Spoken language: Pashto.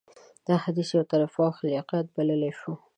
دا حديث يو طرفه اخلاقيات بللی شو.